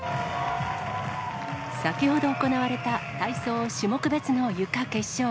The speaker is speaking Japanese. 先ほど行われた体操種目別のゆか決勝。